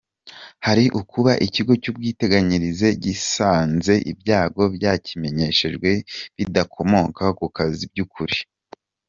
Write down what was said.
Hari ukuba Ikigo cy’Ubwiteganyirize gisanze ibyago byakimenyeshejwe bidakomoka ku kazi by’ukuri.